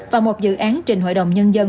và một dự án trình hội đồng nhân dân